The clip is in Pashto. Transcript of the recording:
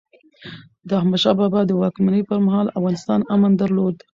د احمد شاه بابا د واکمنۍ پرمهال، افغانستان امن درلود.